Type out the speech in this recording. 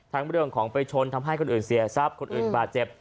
เรื่องของไปชนทำให้คนอื่นเสียทรัพย์คนอื่นบาดเจ็บ